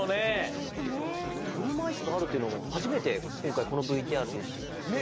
くるまいすがあるっていうのをはじめてこんかいこのＶＴＲでしって。